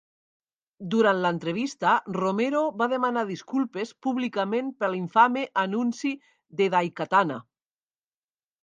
Durant l'entrevista, Romero va demanar disculpes públicament per l'infame anunci de "Daikatana".